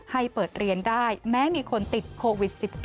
ให้เปิดเรียนได้แม้มีคนติดโควิด๑๙